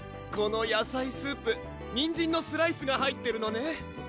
このやさいスープにんじんのスライスが入ってるのね